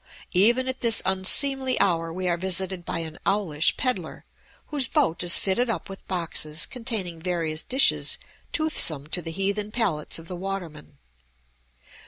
Even at this unseemly hour we are visited by an owlish pedler, whose boat is fitted up with boxes containing various dishes toothsome to the heathen palates of the water men.